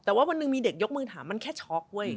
แต่ว่าวันหนึ่งมีเด็กยกมือถามมันแค่ช็อกเว้ย